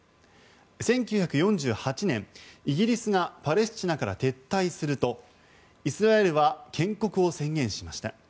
１９４８年、イギリスがパレスチナから撤退するとイスラエルは建国を宣言しました。